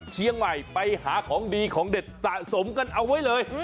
เชียงใหม่ไปหาของดีของเด็ดสะสมกันเอาไว้เลย